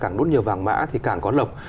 càng đốt nhiều vàng mã thì càng có lộc